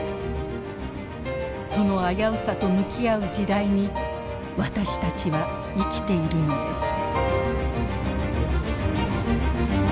その危うさと向き合う時代に私たちは生きているのです。